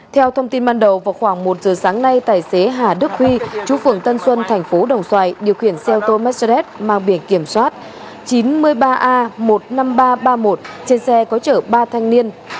theo thông tin ban đầu vào khoảng một giờ sáng nay tài xế hà đức huy chú phường tân xuân thành phố đồng xoài điều khiển xe ô tô mercedes mang biển kiểm soát chín mươi ba a một mươi năm nghìn ba trăm ba mươi một trên xe có chở ba thanh niên